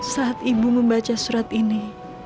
saat ibu membaca surat ini